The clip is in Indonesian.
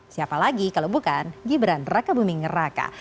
siapa lagi kalau bukan gibran rakabumingeraka